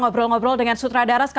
sosok makhluk mendamping manusia